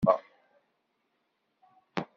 Ur ttceɣɣib iman-ik ɣef ayen xedmeɣ.